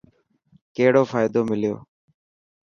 ڪهڙو فائدو مليو؟